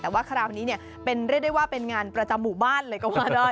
แต่ว่าคราวนี้เนี่ยเรียกได้ว่าเป็นงานประจำหมู่บ้านเลยก็ว่าได้